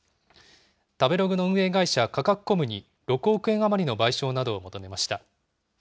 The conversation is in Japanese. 食べログの運営会社、カカクコムに６億円余りの賠償などを求めました。